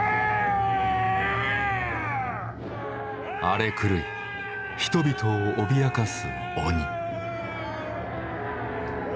荒れ狂い人々を脅かす鬼。